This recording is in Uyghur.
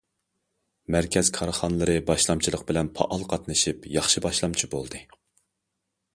مەركەز كارخانىلىرى باشلامچىلىق بىلەن پائال قاتنىشىپ، ياخشى باشلامچى بولدى.